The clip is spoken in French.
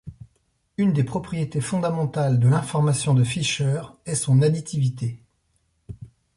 Une des propriétés fondamentales de l'information de Fisher est son additivité.